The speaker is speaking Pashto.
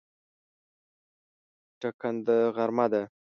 ټکنده غرمه ده